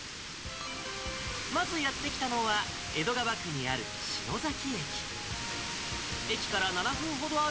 まずやって来たのは、江戸川区にある篠崎駅。